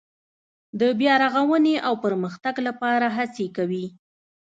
د بیا رغاونې او پرمختګ لپاره هڅې کوي.